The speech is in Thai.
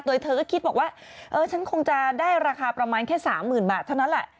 โดยเธอก็คิดบอกว่าเออฉันคงจะได้ราคาประมาณแค่๓๐๐๐บาทเท่านั้นแหละ